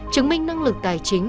chứng minh năng lực tài chính